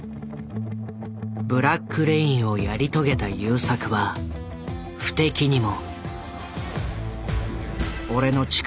「ブラック・レイン」をやり遂げた優作は不敵にも。